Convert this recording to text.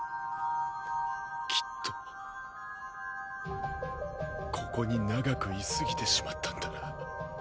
きっとここに長く居すぎてしまったんだな。